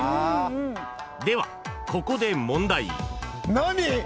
ではここで問題］